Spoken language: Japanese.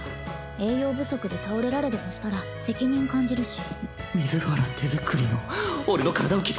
栄養不足で倒れられでもしたら責任感じるし。